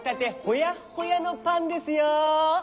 ほやのパンですよ。